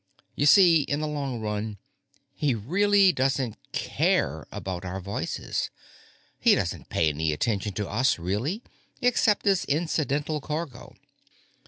You see, in the long run, he really doesn't care about our voices. He doesn't pay any attention to us, really, except as incidental cargo.